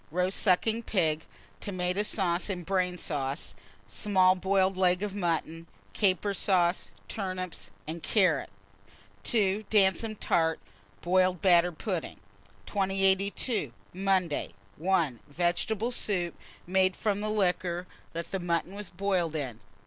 Roast sucking pig, tomata sauce and brain sauce; small boiled leg of mutton, caper sauce, turnips, and carrots. 2. Damson tart, boiled batter pudding. 2082. Monday. 1. Vegetable soup, made from liquor that mutton was boiled in.